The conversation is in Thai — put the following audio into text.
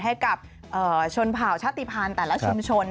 ให้กับชนเผ่าชาติภัณฑ์แต่ละชุมชน